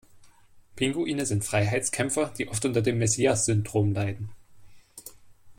Pinguine sind Freiheitskämpfer, die oft unter dem Messias-Syndrom leiden.